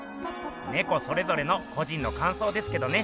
ネコそれぞれの個人の感想ですけどね。